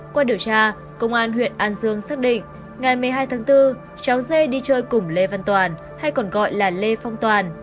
qua điều tra công an huyện an dương xác định ngày một mươi hai tháng bốn cháu dê đi chơi cùng lê văn toàn hay còn gọi là lê phong toàn